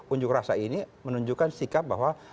unjuk rasa ini menunjukkan sikap bahwa